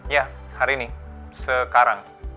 ya hari ini sekarang